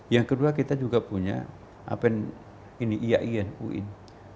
yang kedua kita juga punya apa yang ini iain uin